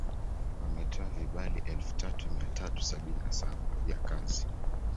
Wametoa vibali elfu tatu mia tatu sabini na saba vya kazi